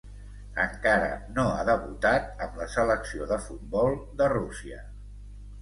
Encara no ha debutat amb la Selecció de futbol de Rússia.